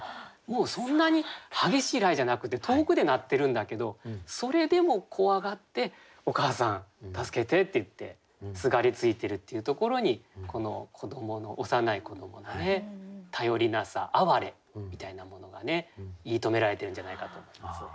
そんなに激しい雷じゃなくて遠くで鳴ってるんだけどそれでも怖がって「お母さん助けて」って言ってすがりついてるっていうところにこの幼い子どもの頼りなさあわれみたいなものがね言いとめられてるんじゃないかと思います。